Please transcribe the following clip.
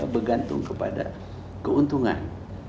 bergantung kepada keuntungan